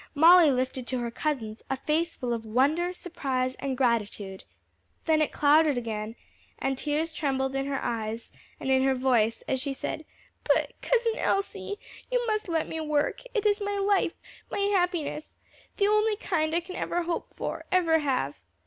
Molly lifted to her cousin's a face full of wonder, surprise and gratitude; then it clouded again and tears trembled in her eyes and in her voice, as she said, "But, Cousin Elsie, you must let me work; it is my life, my happiness; the only kind I can ever hope for, ever have.